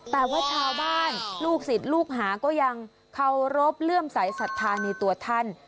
แต่ว่าชาวบ้านลูกศิษย์ลูกหาก็ยังเคารพเลื่อมสายศรัทธาในตัวท่าน